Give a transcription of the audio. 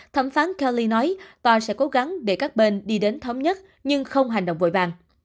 thẩm phán kelly nói tòa sẽ cố gắng để các bên đi đến thống nhất nhưng không hành động vội vàng